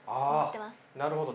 なるほど。